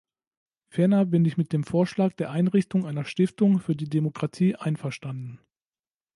Ferner bin ich mit dem Vorschlag der Einrichtung einer Stiftung für die Demokratie einverstanden.